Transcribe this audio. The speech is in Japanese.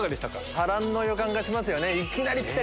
波乱の予感がしますよね。